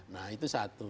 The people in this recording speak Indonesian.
nah itu satu